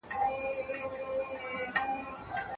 د زده کړې فرصتونه برابرول د پلار مسؤلیت دی ترڅو تعلیم پیاوړی شي.